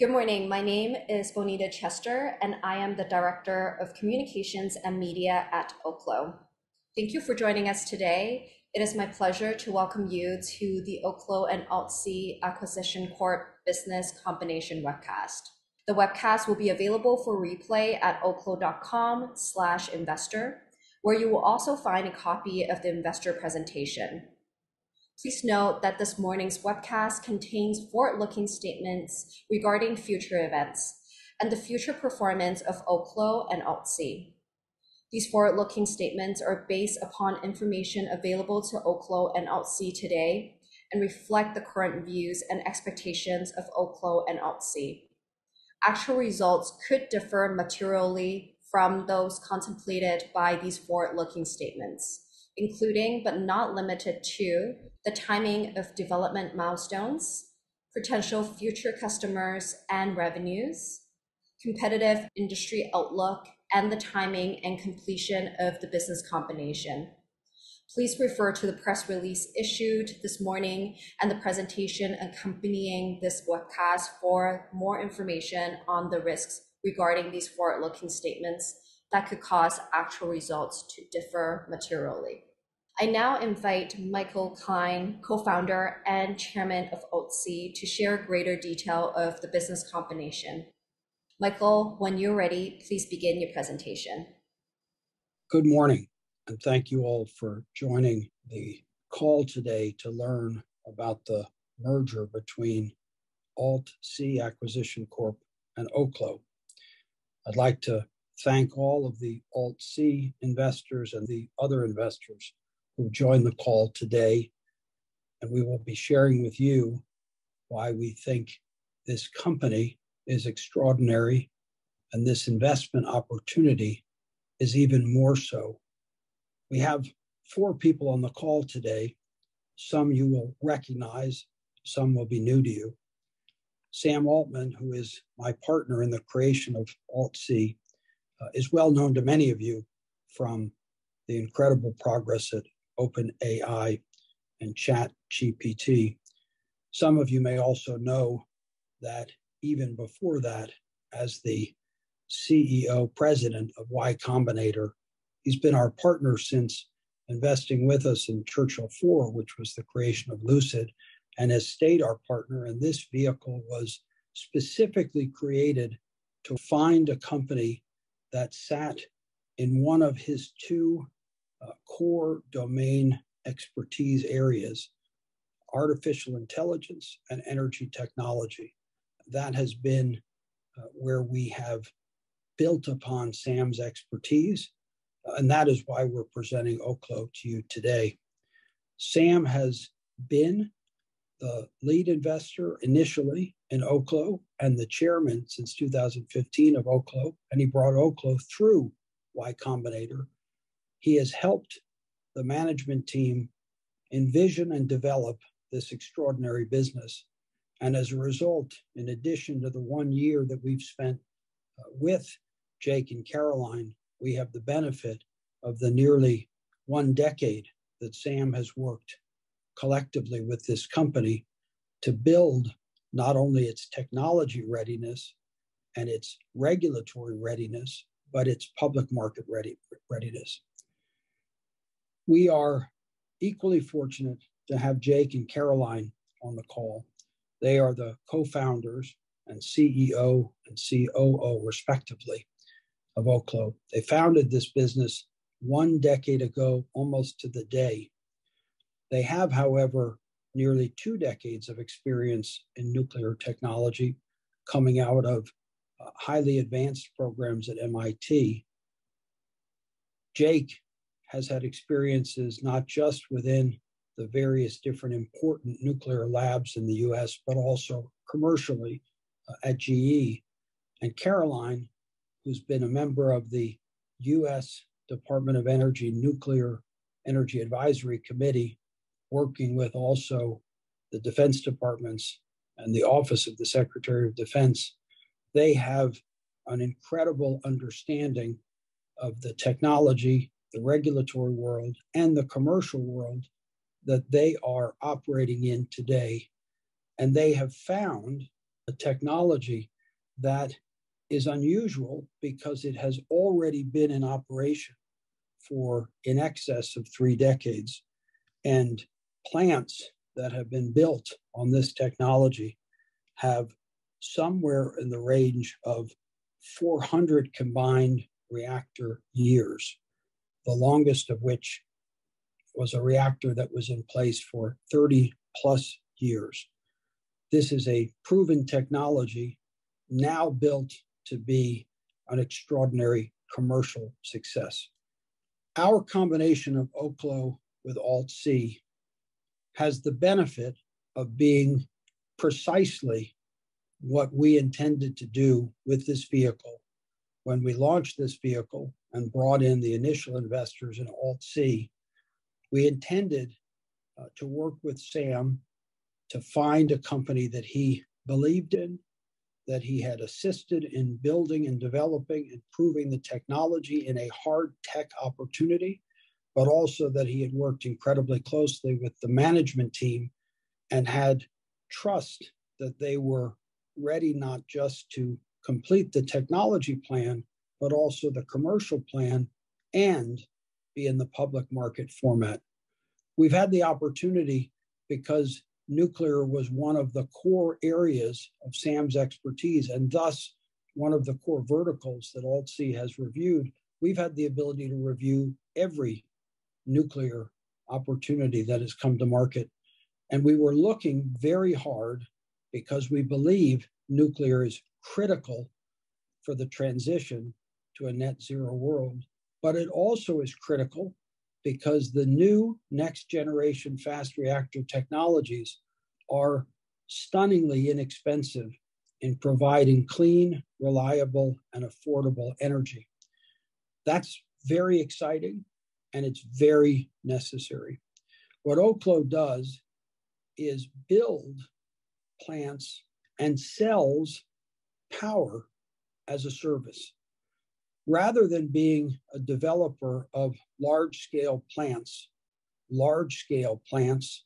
Good morning. My name is Bonita Chester, I am the Director of Communications and Media at Oklo. Thank you for joining us today. It is my pleasure to welcome you to the Oklo and AltC Acquisition Corp Business Combination webcast. The webcast will be available for replay at oklo.com/investor, where you will also find a copy of the investor presentation. Please note that this morning's webcast contains forward-looking statements regarding future events and the future performance of Oklo and AltC. These forward-looking statements are based upon information available to Oklo and AltC today and reflect the current views and expectations of Oklo and AltC. Actual results could differ materially from those contemplated by these forward-looking statements, including, but not limited to, the timing of development milestones, potential future customers and revenues, competitive industry outlook, and the timing and completion of the business combination. Please refer to the press release issued this morning and the presentation accompanying this webcast for more information on the risks regarding these forward-looking statements that could cause actual results to differ materially. I now invite Michael Klein, co-founder and chairman of AltC, to share greater detail of the business combination. Michael, when you're ready, please begin your presentation. Good morning. Thank you all for joining the call today to learn about the merger between AltC Acquisition Corp and Oklo. I'd like to thank all of the AltC investors and the other investors who joined the call today. We will be sharing with you why we think this company is extraordinary, and this investment opportunity is even more so. We have four people on the call today. Some you will recognize, some will be new to you. Sam Altman, who is my partner in the creation of AltC, is well known to many of you from the incredible progress at OpenAI and ChatGPT. Some of you may also know that even before that, as the CEO President of Y Combinator, he's been our partner since investing with us in Churchill Four, which was the creation of Lucid, and has stayed our partner, and this vehicle was specifically created to find a company that sat in one of his two core domain expertise areas: artificial intelligence and energy technology. That has been where we have built upon Sam's expertise, and that is why we're presenting Oklo to you today. Sam has been the lead investor initially in Oklo, and the Chairman since 2015 of Oklo, and he brought Oklo through Y Combinator. He has helped the management team envision and develop this extraordinary business, and as a result, in addition to the one year that we've spent with Jake and Caroline, we have the benefit of the nearly one decade that Sam has worked collectively with this company to build not only its technology readiness and its regulatory readiness, but its public market readiness. We are equally fortunate to have Jake and Caroline on the call. They are the co-founders and CEO and COO, respectively, of Oklo. They founded this business one decade ago, almost to the day. They have, however, nearly two decades of experience in nuclear technology, coming out of highly advanced programs at MIT. Jake has had experiences not just within the various different important nuclear labs in the U.S., but also commercially at GE. Caroline, who's been a member of the U.S. Department of Energy Nuclear Energy Advisory Committee, working with also the defense departments and the Office of the Secretary of Defense. They have an incredible understanding of the technology, the regulatory world, and the commercial world that they are operating in today, and they have found a technology that is unusual because it has already been in operation for in excess of three decades, and plants that have been built on this technology have somewhere in the range of 400 combined reactor years, the longest of which was a reactor that was in place for 30+ years. This is a proven technology now built to be an extraordinary commercial success. Our combination of Oklo with AltC has the benefit of being precisely what we intended to do with this vehicle. When we launched this vehicle and brought in the initial investors in AltC, we intended to work with Sam to find a company that he believed in, that he had assisted in building and developing and proving the technology in a hard tech opportunity, but also that he had worked incredibly closely with the management team and had trust that they were ready not just to complete the technology plan, but also the commercial plan and be in the public market format. We've had the opportunity because nuclear was one of the core areas of Sam's expertise, and thus one of the core verticals that AltC has reviewed. We've had the ability to review every nuclear opportunity that has come to market, and we were looking very hard because we believe nuclear is critical for the transition to a net zero world. It also is critical because the new next-generation fast reactor technologies are stunningly inexpensive in providing clean, reliable, and affordable energy. That's very exciting, and it's very necessary. What Oklo does is build plants and sells power as a service, rather than being a developer of large-scale plants. Large-scale plants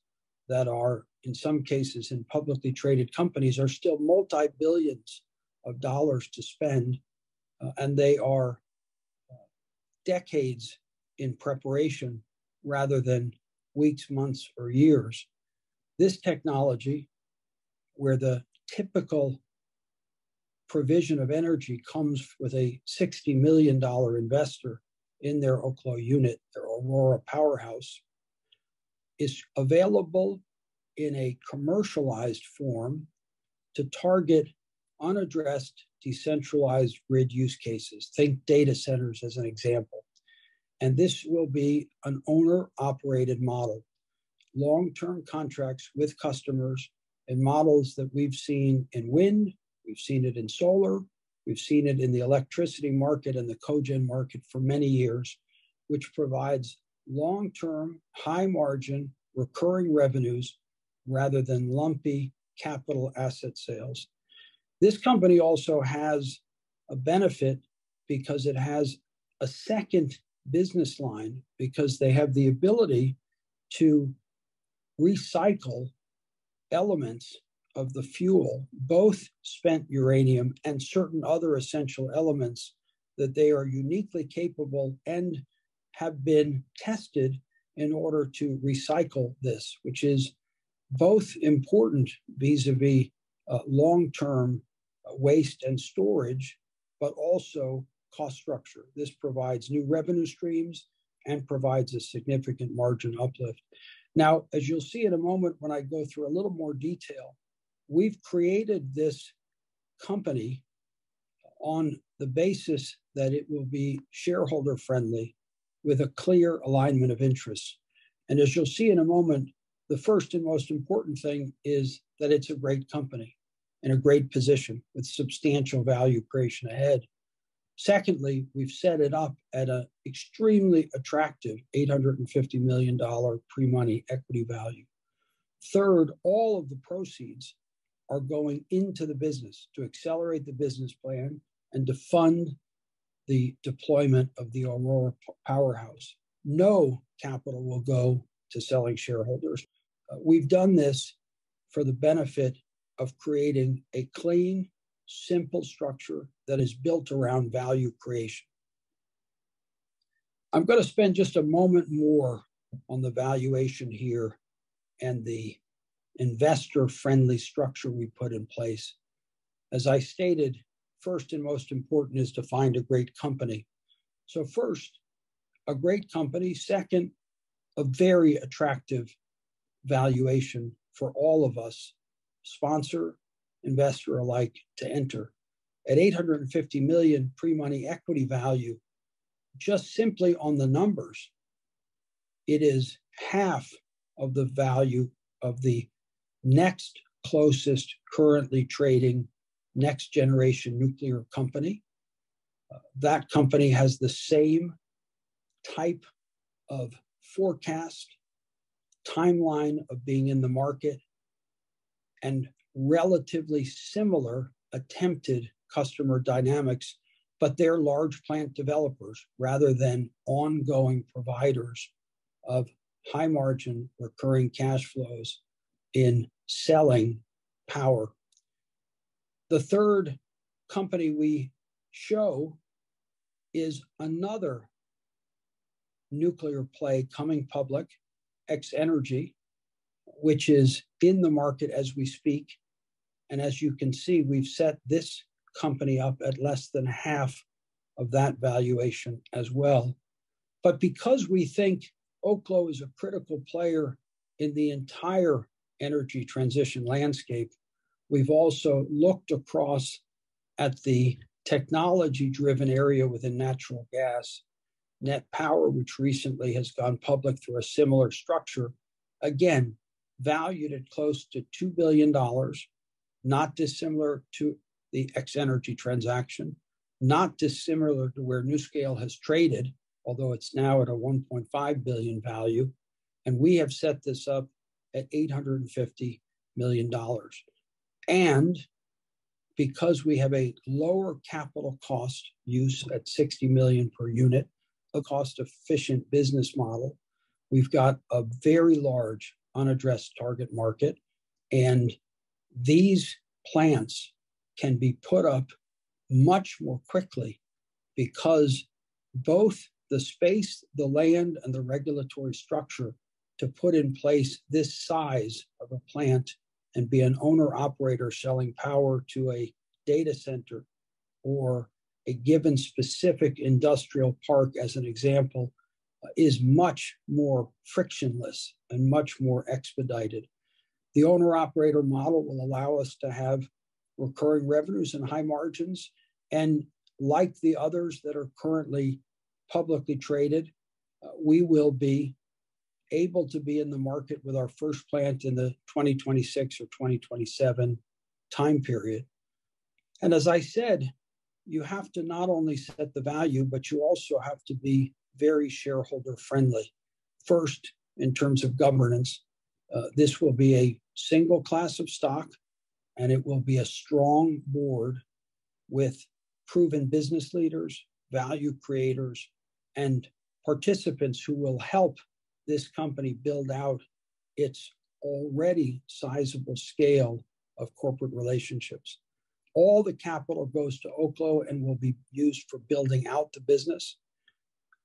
that are, in some cases, in publicly traded companies, are still multi-billions of dollars to spend, and they are decades in preparation rather than weeks, months, or years. This technology, where the typical provision of energy comes with a $60 million investor in their Oklo unit, their Aurora powerhouse, is available in a commercialized form to target unaddressed, decentralized grid use cases. Think data centers as an example. This will be an owner-operated model, long-term contracts with customers and models that we've seen in wind, we've seen it in solar, we've seen it in the electricity market and the cogen market for many years, which provides long-term, high-margin, recurring revenues rather than lumpy capital asset sales. This company also has a benefit because it has a second business line, because they have the ability to recycle elements of the fuel, both spent uranium and certain other essential elements, that they are uniquely capable and have been tested in order to recycle this, which is both important vis-a-vis, long-term, waste and storage, but also cost structure. This provides new revenue streams and provides a significant margin uplift. As you'll see in a moment when I go through a little more detail, we've created this company on the basis that it will be shareholder-friendly, with a clear alignment of interests. As you'll see in a moment, the first and most important thing is that it's a great company in a great position, with substantial value creation ahead. Secondly, we've set it up at a extremely attractive $850 million pre-money equity value. Third, all of the proceeds are going into the business to accelerate the business plan and to fund the deployment of the Aurora powerhouse. No capital will go to selling shareholders. We've done this for the benefit of creating a clean, simple structure that is built around value creation. I'm gonna spend just a moment more on the valuation here and the investor-friendly structure we put in place. As I stated, first and most important is to find a great company. First, a great company. Second, a very attractive valuation for all of us, sponsor, investor alike, to enter. At $850 million pre-money equity value, just simply on the numbers, it is half of the value of the next closest currently trading next-generation nuclear company. That company has the same type of forecast, timeline of being in the market, and relatively similar attempted customer dynamics, but they're large plant developers rather than ongoing providers of high-margin, recurring cash flows in selling power. The third company we show is another nuclear play coming public, X-energy, which is in the market as we speak. As you can see, we've set this company up at less than half of that valuation as well. Because we think Oklo is a critical player in the entire energy transition landscape, we've also looked across at the technology-driven area within natural gas. NET Power, which recently has gone public through a similar structure, again, valued at close to $2 billion, not dissimilar to the X-energy transaction, not dissimilar to where NuScale has traded, although it's now at a $1.5 billion value, and we have set this up at $850 million, because we have a lower capital cost use at $60 million per unit, a cost-efficient business model. We've got a very large unaddressed target market, and these plants can be put up much more quickly, because both the space, the land, and the regulatory structure to put in place this size of a plant and be an owner-operator selling power to a data center or a given specific industrial park, as an example, is much more frictionless and much more expedited. The owner-operator model will allow us to have recurring revenues and high margins, and like the others that are currently publicly traded, we will be able to be in the market with our first plant in the 2026 or 2027 time period. As I said, you have to not only set the value, but you also have to be very shareholder-friendly. First, in terms of governance, this will be a single class of stock, and it will be a strong board with proven business leaders, value creators, and participants who will help this company build out its already sizable scale of corporate relationships. All the capital goes to Oklo and will be used for building out the business.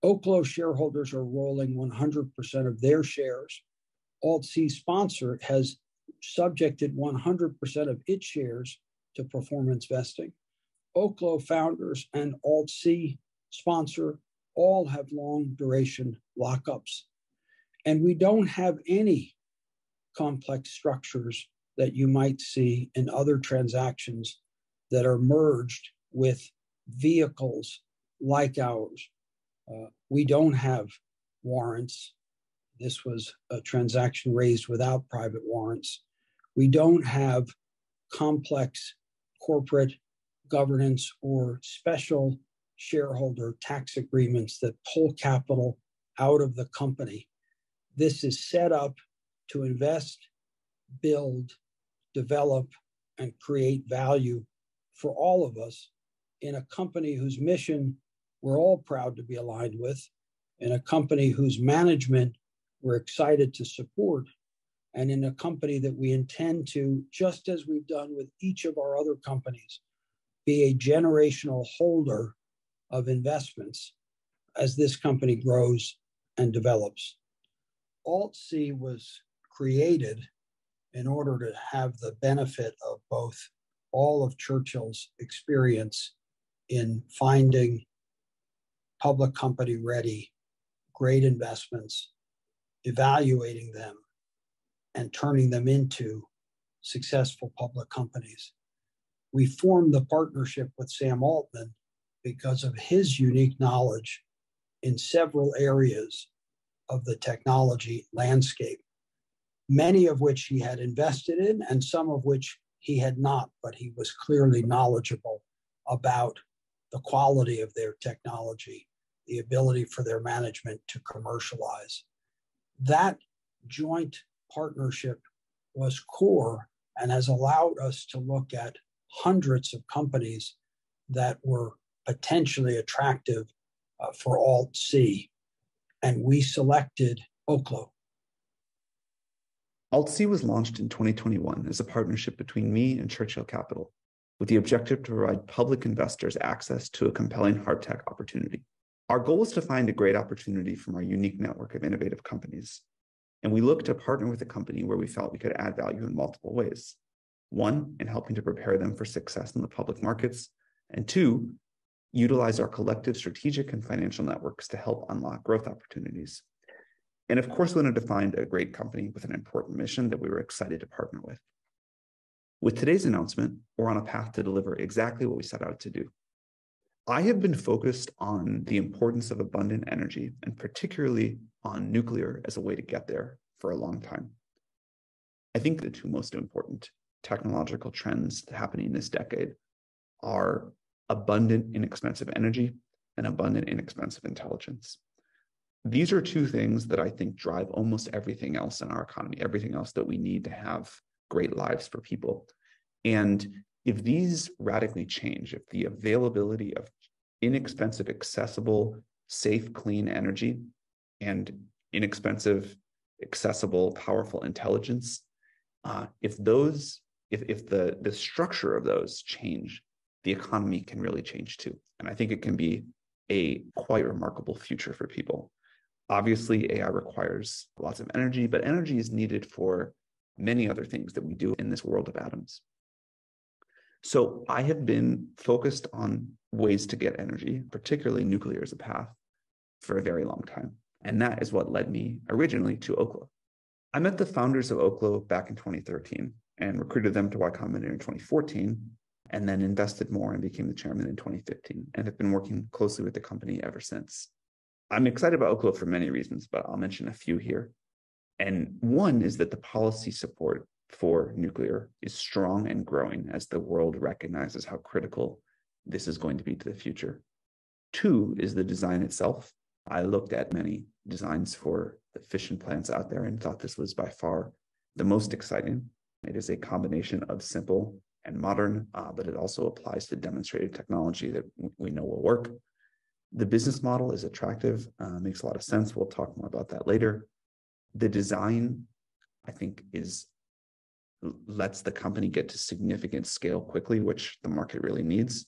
Oklo shareholders are rolling 100% of their shares. AltC sponsor has subjected 100% of its shares to performance vesting. Oklo founders and AltC sponsor all have long-duration lock-ups, and we don't have any complex structures that you might see in other transactions that are merged with vehicles like ours. We don't have warrants. This was a transaction raised without private warrants. We don't have complex corporate governance or special shareholder tax agreements that pull capital out of the company. This is set up to invest, build, develop, and create value for all of us in a company whose mission we're all proud to be aligned with, in a company whose management we're excited to support, and in a company that we intend to, just as we've done with each of our other companies, be a generational holder of investments as this company grows and develops. AltC was created in order to have the benefit of both all of Churchill's experience in finding public company-ready, great investments, evaluating them, and turning them into successful public companies. We formed the partnership with Sam Altman because of his unique knowledge in several areas of the technology landscape, many of which he had invested in, and some of which he had not, but he was clearly knowledgeable about the quality of their technology, the ability for their management to commercialize. That joint partnership was core and has allowed us to look at hundreds of companies that were potentially attractive, for AltC. We selected Oklo. AltC was launched in 2021 as a partnership between me and Churchill Capital, with the objective to provide public investors access to a compelling hard tech opportunity. Our goal is to find a great opportunity from our unique network of innovative companies. We look to partner with a company where we felt we could add value in multiple ways. One, in helping to prepare them for success in the public markets. Two, utilize our collective strategic and financial networks to help unlock growth opportunities. Of course, we wanted to find a great company with an important mission that we were excited to partner with. With today's announcement, we're on a path to deliver exactly what we set out to do. I have been focused on the importance of abundant energy, and particularly on nuclear as a way to get there, for a long time. I think the two most important technological trends happening this decade are abundant, inexpensive energy and abundant, inexpensive intelligence. These are two things that I think drive almost everything else in our economy, everything else that we need to have great lives for people. If these radically change, if the availability of inexpensive, accessible, safe, clean energy and inexpensive, accessible, powerful intelligence, if the structure of those change, the economy can really change too, and I think it can be a quite remarkable future for people. Obviously, AI requires lots of energy, but energy is needed for many other things that we do in this world of atoms. I have been focused on ways to get energy, particularly nuclear, as a path for a very long time, and that is what led me originally to Oklo. I met the founders of Oklo back in 2013 and recruited them to Y Combinator in 2014, and then invested more and became the chairman in 2015, and have been working closely with the company ever since. I'm excited about Oklo for many reasons, but I'll mention a few here. 1 is that the policy support for nuclear is strong and growing as the world recognizes how critical this is going to be to the future. Two is the design itself. I looked at many designs for efficient plants out there and thought this was by far the most exciting. It is a combination of simple and modern, but it also applies to demonstrated technology that we know will work. The business model is attractive, makes a lot of sense. We'll talk more about that later. The design, I think, is, lets the company get to significant scale quickly, which the market really needs.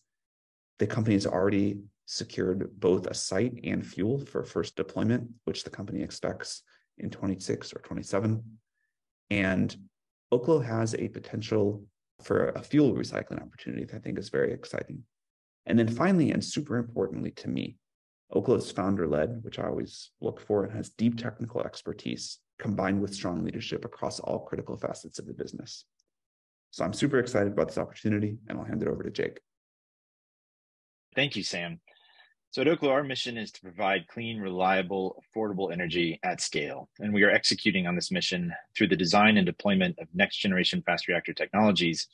The company's already secured both a site and fuel for first deployment, which the company expects in 2026 or 2027. Oklo has a potential for a fuel recycling opportunity that I think is very exciting. Then finally, and super importantly to me, Oklo is founder-led, which I always look for, and has deep technical expertise combined with strong leadership across all critical facets of the business. I'm super excited about this opportunity, and I'll hand it over to Jake. Thank you, Sam. At Oklo, our mission is to provide clean, reliable, affordable energy at scale, and we are executing on this mission through the design and deployment of next-generation fast reactor technologies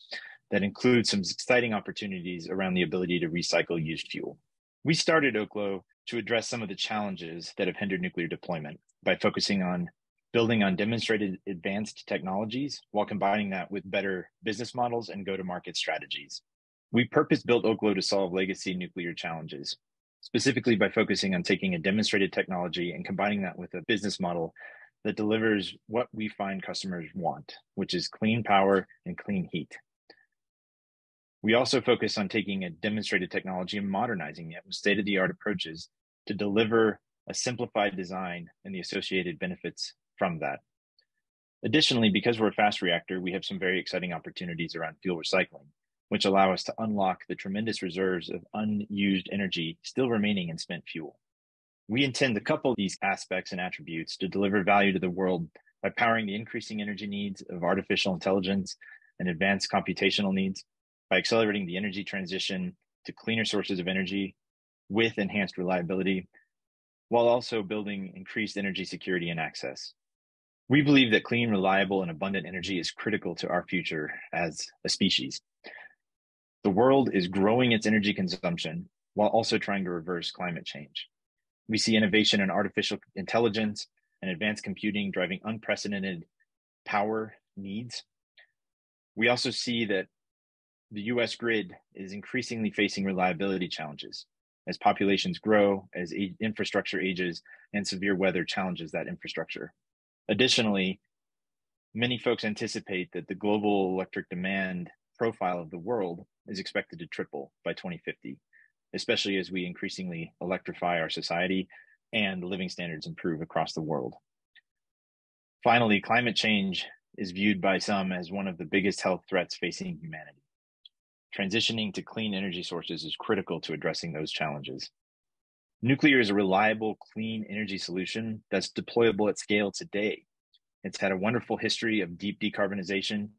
that include some exciting opportunities around the ability to recycle used fuel. We started Oklo to address some of the challenges that have hindered nuclear deployment by focusing on building on demonstrated advanced technologies, while combining that with better business models and go-to-market strategies. We purpose-built Oklo to solve legacy nuclear challenges, specifically by focusing on taking a demonstrated technology and combining that with a business model that delivers what we find customers want, which is clean power and clean heat. We also focus on taking a demonstrated technology and modernizing it with state-of-the-art approaches to deliver a simplified design and the associated benefits from that. Additionally, because we're a fast reactor, we have some very exciting opportunities around fuel recycling, which allow us to unlock the tremendous reserves of unused energy still remaining in spent fuel. We intend to couple these aspects and attributes to deliver value to the world by powering the increasing energy needs of artificial intelligence and advanced computational needs, by accelerating the energy transition to cleaner sources of energy with enhanced reliability, while also building increased energy security and access. We believe that clean, reliable, and abundant energy is critical to our future as a species. The world is growing its energy consumption while also trying to reverse climate change. We see innovation in artificial intelligence and advanced computing driving unprecedented power needs. We also see that the U.S. grid is increasingly facing reliability challenges as populations grow, as infrastructure ages, and severe weather challenges that infrastructure. Additionally, many folks anticipate that the global electric demand profile of the world is expected to triple by 2050, especially as we increasingly electrify our society and living standards improve across the world. Finally, climate change is viewed by some as one of the biggest health threats facing humanity. Transitioning to clean energy sources is critical to addressing those challenges. Nuclear is a reliable, clean energy solution that's deployable at scale today. It's had a wonderful history of deep decarbonization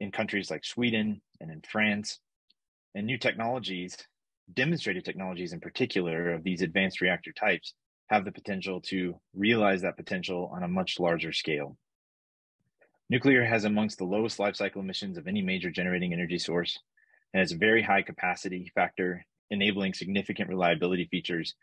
in countries like Sweden and in France, and new technologies, demonstrated technologies, in particular, of these advanced reactor types, have the potential to realize that potential on a much larger scale. Nuclear has amongst the lowest lifecycle emissions of any major generating energy source and has a very high capacity factor, enabling significant reliability features.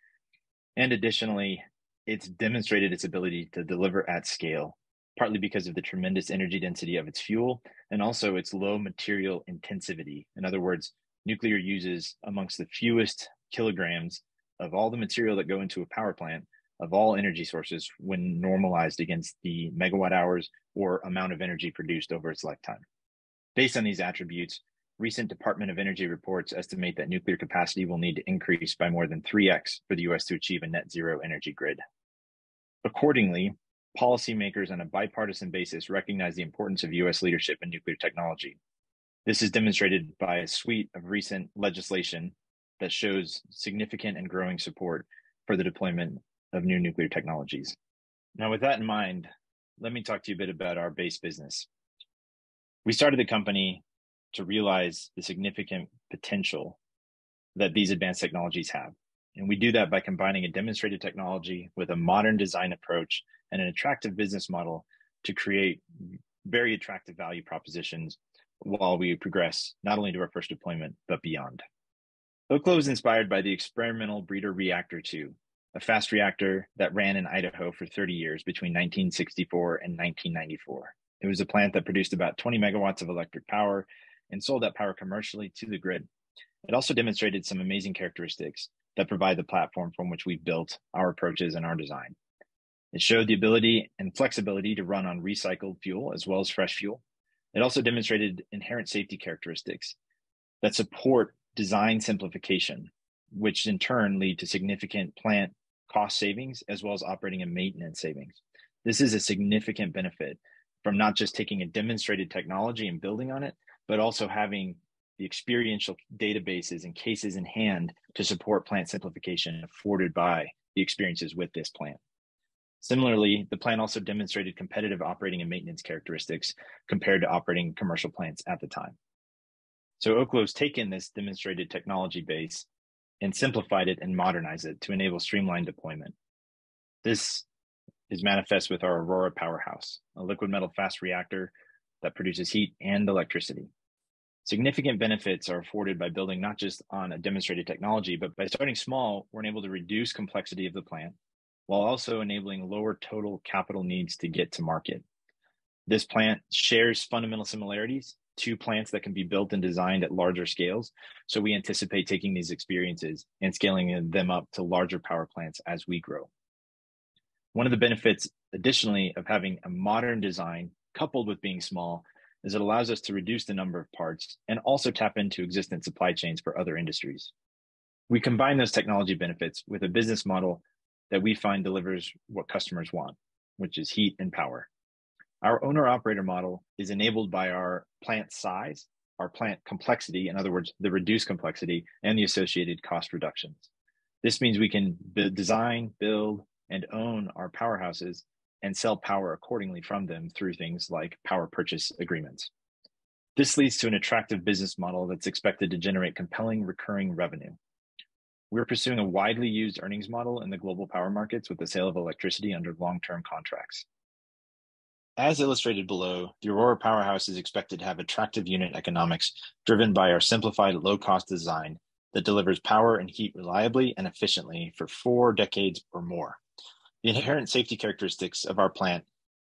Additionally, it's demonstrated its ability to deliver at scale, partly because of the tremendous energy density of its fuel, and also its low material intensivity. In other words, nuclear uses amongst the fewest kilograms of all the material that go into a power plant, of all energy sources, when normalized against the megawatt hours or amount of energy produced over its lifetime. Based on these attributes, recent Department of Energy reports estimate that nuclear capacity will need to increase by more than 3x for the U.S. to achieve a net zero energy grid. Accordingly, policymakers on a bipartisan basis recognize the importance of U.S. leadership in nuclear technology. This is demonstrated by a suite of recent legislation that shows significant and growing support for the deployment of new nuclear technologies. With that in mind, let me talk to you a bit about our base business. We started the company to realize the significant potential that these advanced technologies have, and we do that by combining a demonstrated technology with a modern design approach and an attractive business model to create very attractive value propositions while we progress not only to our first deployment, but beyond. Oklo was inspired by the Experimental Breeder Reactor II, a fast reactor that ran in Idaho for 30 years, between 1964 and 1994. It was a plant that produced about 20 MW of electric power and sold that power commercially to the grid. It also demonstrated some amazing characteristics that provide the platform from which we've built our approaches and our design. It showed the ability and flexibility to run on recycled fuel as well as fresh fuel. It also demonstrated inherent safety characteristics that support design simplification, which in turn lead to significant plant cost savings, as well as operating and maintenance savings. This is a significant benefit from not just taking a demonstrated technology and building on it, but also having the experiential databases and cases in hand to support plant simplification afforded by the experiences with this plant. Similarly, the plant also demonstrated competitive operating and maintenance characteristics compared to operating commercial plants at the time. Oklo's taken this demonstrated technology base and simplified it and modernized it to enable streamlined deployment. This is manifest with our Aurora powerhouse, a liquid metal-cooled fast reactor that produces heat and electricity. Significant benefits are afforded by building not just on a demonstrated technology, but by starting small, we're able to reduce complexity of the plant, while also enabling lower total capital needs to get to market. This plant shares fundamental similarities to plants that can be built and designed at larger scales, so we anticipate taking these experiences and scaling them up to larger power plants as we grow. One of the benefits, additionally, of having a modern design coupled with being small, is it allows us to reduce the number of parts and also tap into existing supply chains for other industries. We combine those technology benefits with a business model that we find delivers what customers want, which is heat and power. Our owner-operator model is enabled by our plant size, our plant complexity, in other words, the reduced complexity and the associated cost reductions. This means we can build, design, build, and own our powerhouses and sell power accordingly from them through things like power purchase agreements. This leads to an attractive business model that's expected to generate compelling recurring revenue. We're pursuing a widely used earnings model in the global power markets with the sale of electricity under long-term contracts. As illustrated below, the Aurora powerhouse is expected to have attractive unit economics, driven by our simplified low-cost design that delivers power and heat reliably and efficiently for four decades or more. The inherent safety characteristics of our plant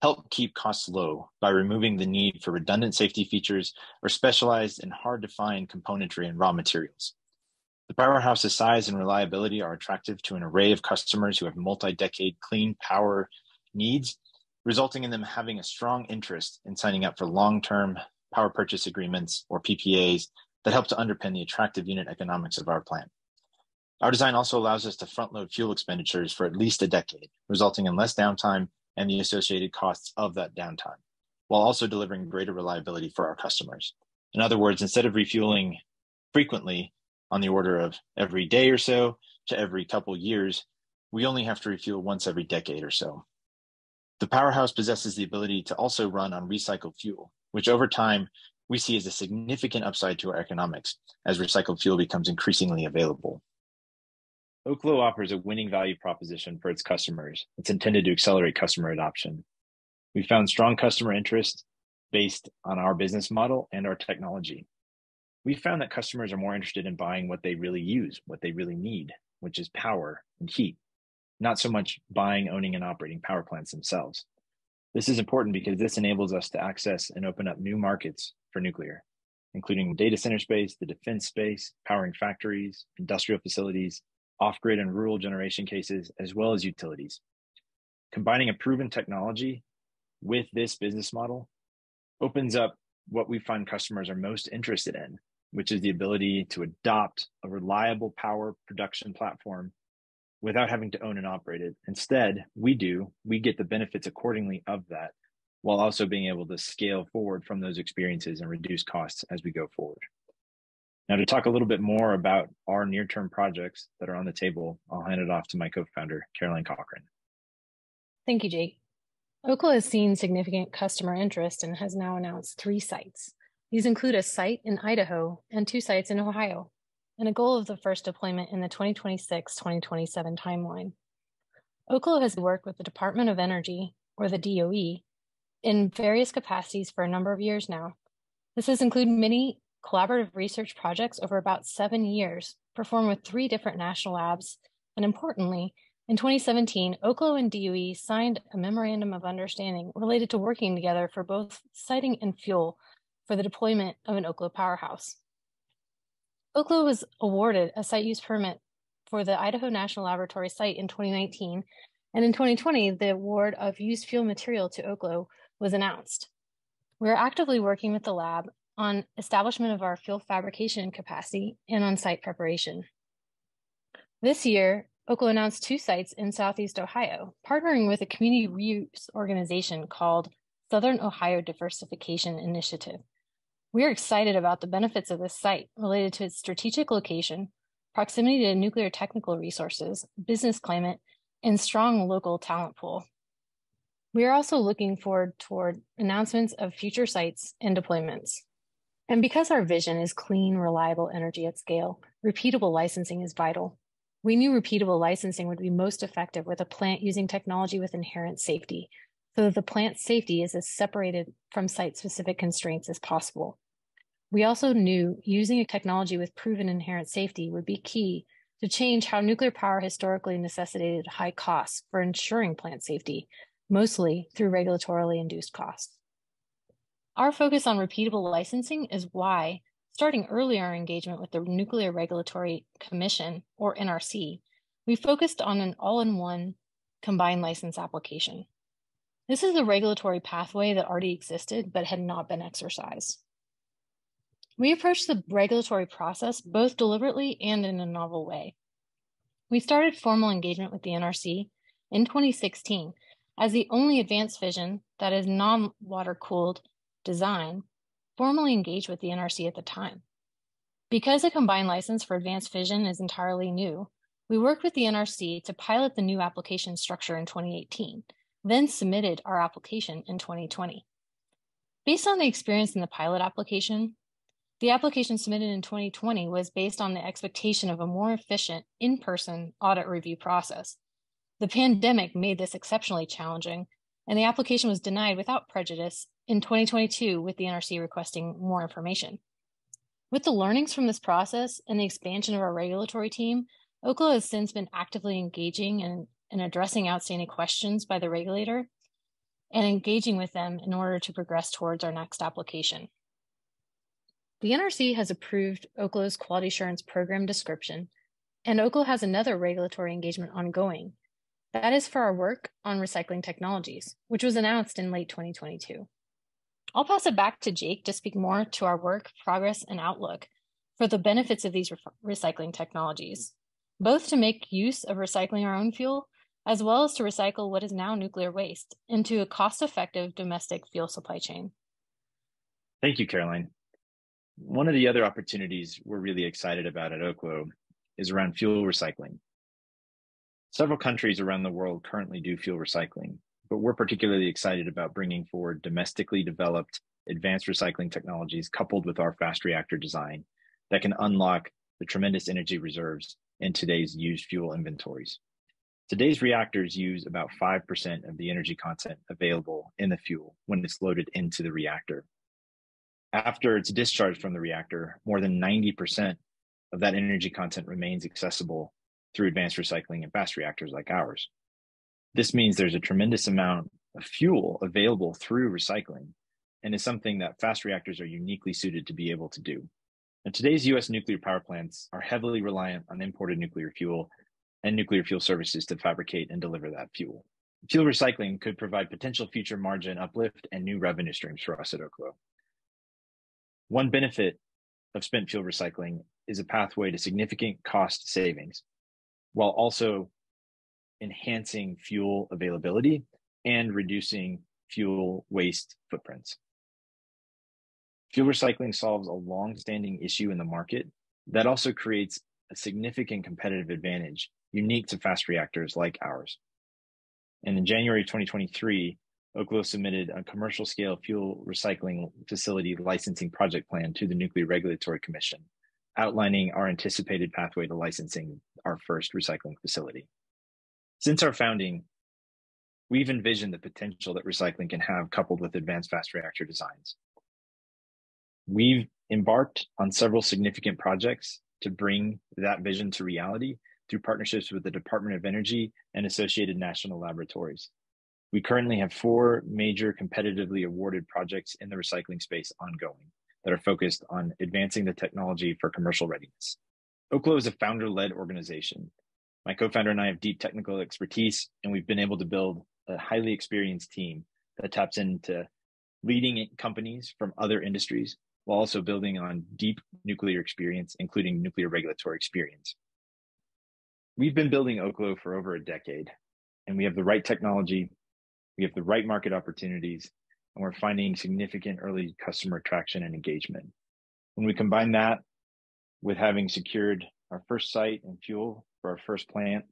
help keep costs low by removing the need for redundant safety features or specialized and hard-to-find componentry and raw materials. The powerhouse's size and reliability are attractive to an array of customers who have multi-decade clean power needs, resulting in them having a strong interest in signing up for long-term power purchase agreements, or PPAs, that help to underpin the attractive unit economics of our plant. Our design also allows us to front-load fuel expenditures for at least a decade, resulting in less downtime and the associated costs of that downtime, while also delivering greater reliability for our customers. In other words, instead of refueling frequently on the order of every day or so to every couple of years, we only have to refuel once every decade or so. The powerhouse possesses the ability to also run on recycled fuel, which over time we see as a significant upside to our economics as recycled fuel becomes increasingly available. Oklo offers a winning value proposition for its customers that's intended to accelerate customer adoption. We found strong customer interest based on our business model and our technology. We found that customers are more interested in buying what they really use, what they really need, which is power and heat, not so much buying, owning, and operating power plants themselves. This is important because this enables us to access and open up new markets for nuclear, including data center space, the defense space, powering factories, industrial facilities, off-grid and rural generation cases, as well as utilities. Combining a proven technology with this business model opens up what we find customers are most interested in, which is the ability to adopt a reliable power production platform without having to own and operate it. Instead, we do. We get the benefits accordingly of that, while also being able to scale forward from those experiences and reduce costs as we go forward. To talk a little bit more about our near-term projects that are on the table, I'll hand it off to my Co-Founder, Caroline Cochran. Thank you, Jake. Oklo has seen significant customer interest and has now announced three sites. These include a site in Idaho and two sites in Ohio. A goal of the first deployment in the 2026, 2027 timeline. Oklo has worked with the Department of Energy, or the DOE, in various capacities for a number of years now. This has included many collaborative research projects over about seven years, performed with three different National Laboratories, and importantly, in 2017, Oklo and DOE signed a memorandum of understanding related to working together for both siting and fuel for the deployment of an Oklo powerhouse. Oklo was awarded a Site Use Permit for the Idaho National Laboratory site in 2019, and in 2020, the award of used fuel material to Oklo was announced. We're actively working with the lab on establishment of our fuel fabrication capacity and on-site preparation. This year, Oklo announced two sites in Southeast Ohio, partnering with a community reuse organization called Southern Ohio Diversification Initiative. We are excited about the benefits of this site related to its strategic location, proximity to nuclear technical resources, business climate, and strong local talent pool. We are also looking forward toward announcements of future sites and deployments. Because our vision is clean, reliable energy at scale, repeatable licensing is vital. We knew repeatable licensing would be most effective with a plant using technology with inherent safety, so that the plant's safety is as separated from site-specific constraints as possible. We also knew using a technology with proven inherent safety would be key to change how nuclear power historically necessitated high costs for ensuring plant safety, mostly through regulatorily induced costs. Our focus on repeatable licensing is why, starting early our engagement with the Nuclear Regulatory Commission, or NRC, we focused on an all-in-one combined license application. This is a regulatory pathway that already existed but had not been exercised. We approached the regulatory process both deliberately and in a novel way. We started formal engagement with the NRC in 2016 as the only advanced fission that is non-water-cooled design, formally engaged with the NRC at the time. Because a combined license for advanced fission is entirely new, we worked with the NRC to pilot the new application structure in 2018. Submitted our application in 2020. Based on the experience in the pilot application, the application submitted in 2020 was based on the expectation of a more efficient in-person audit review process. The pandemic made this exceptionally challenging. The application was denied without prejudice in 2022, with the NRC requesting more information. With the learnings from this process and the expansion of our regulatory team, Oklo has since been actively engaging and addressing outstanding questions by the regulator, and engaging with them in order to progress towards our next application. The NRC has approved Oklo's Quality Assurance Program Description. Oklo has another regulatory engagement ongoing. That is for our work on recycling technologies, which was announced in late 2022. I'll pass it back to Jake to speak more to our work, progress, and outlook for the benefits of these recycling technologies, both to make use of recycling our own fuel, as well as to recycle what is now nuclear waste into a cost-effective domestic fuel supply chain. Thank you, Caroline. One of the other opportunities we're really excited about at Oklo is around fuel recycling. Several countries around the world currently do fuel recycling, we're particularly excited about bringing forward domestically developed advanced recycling technologies, coupled with our fast reactor design, that can unlock the tremendous energy reserves in today's used fuel inventories. Today's reactors use about 5% of the energy content available in the fuel when it's loaded into the reactor. After it's discharged from the reactor, more than 90% of that energy content remains accessible through advanced recycling and fast reactors like ours. This means there's a tremendous amount of fuel available through recycling, it's something that fast reactors are uniquely suited to be able to do. Today's U.S. nuclear power plants are heavily reliant on imported nuclear fuel and nuclear fuel services to fabricate and deliver that fuel. Fuel recycling could provide potential future margin uplift and new revenue streams for us at Oklo. One benefit of spent fuel recycling is a pathway to significant cost savings, while also enhancing fuel availability and reducing fuel waste footprints. Fuel recycling solves a long-standing issue in the market that also creates a significant competitive advantage unique to fast reactors like ours. In January 2023, Oklo submitted a commercial-scale fuel recycling facility licensing project plan to the Nuclear Regulatory Commission, outlining our anticipated pathway to licensing our first recycling facility. Since our founding, we've envisioned the potential that recycling can have, coupled with advanced fast reactor designs. We've embarked on several significant projects to bring that vision to reality through partnerships with the Department of Energy and U.S. National Laboratories. We currently have four major competitively awarded projects in the recycling space ongoing, that are focused on advancing the technology for commercial readiness. Oklo is a founder-led organization. My co-founder and I have deep technical expertise. We've been able to build a highly experienced team that taps into leading companies from other industries, while also building on deep nuclear experience, including nuclear regulatory experience. We've been building Oklo for over a decade. We have the right technology, we have the right market opportunities. We're finding significant early customer traction and engagement. When we combine that with having secured our first site and fuel for our first plant,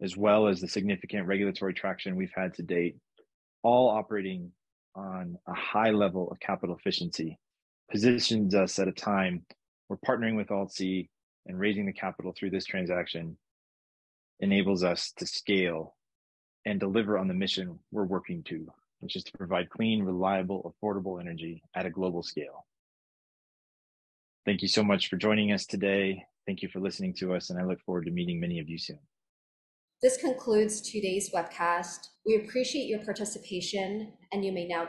as well as the significant regulatory traction we've had to date, all operating on a high level of capital efficiency, positions us at a time where partnering with AltC and raising the capital through this transaction enables us to scale and deliver on the mission we're working to, which is to provide clean, reliable, affordable energy at a global scale. Thank you so much for joining us today. Thank you for listening to us, and I look forward to meeting many of you soon. This concludes today's webcast. You may now disconnect.